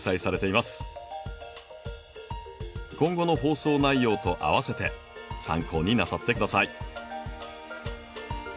今後の放送内容とあわせて参考になさって下さい。